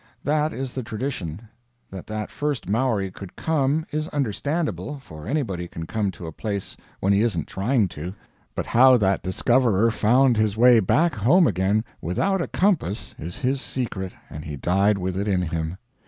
That is the tradition. That that first Maori could come, is understandable, for anybody can come to a place when he isn't trying to; but how that discoverer found his way back home again without a compass is his secret, and he died with it in him.